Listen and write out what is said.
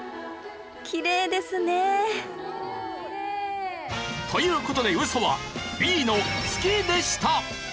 きれいですねえという事でウソは Ｂ の月でした。